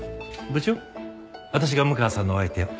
部長私が六川さんのお相手を。